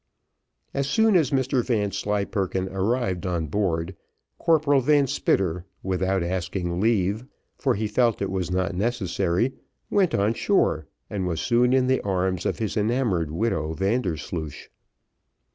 As soon as Mr Vanslyperken arrived on board, Corporal Van Spitter, without asking leave, for he felt it was not necessary, went on shore, and was soon in the arms of his enamoured widow Vandersloosh.